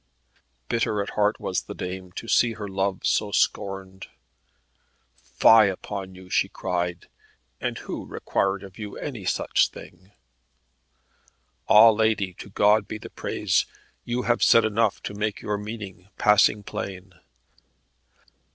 Bitter at heart was the dame to see her love so scorned. "Fie upon you," she cried, "and who required of you any such thing?" "Ah, lady, to God be the praise; you have said enough to make your meaning passing plain."